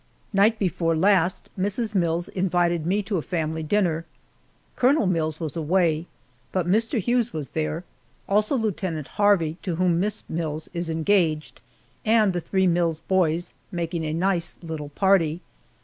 Night before last Mrs. Mills invited me to a family dinner. Colonel Mills was away, but Mr. Hughes was there, also Lieutenant Harvey to whom Miss Mills is engaged, and the three Mills boys, making a nice little party.